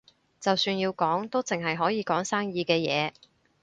就算要講，都淨係可以講生意嘅嘢